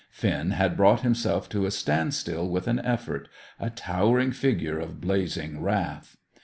Finn had brought himself to a standstill with an effort, a towering figure of blazing wrath.